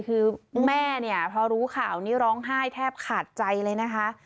คือแม่เนี่ยพอรู้ข่าวนี้ร้องไห้แทบขาดใจเลยนะคะ